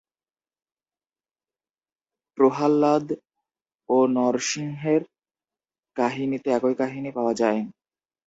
প্রহ্লাদ ও নরসিংহের কাহিনীতেও একই কাহিনী পাওয়া যায়।